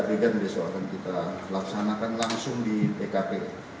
dua puluh tiga adegan soal kita laksanakan langsung di tkp